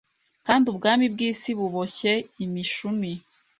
kandi ubwami bwisi buboshye imishumi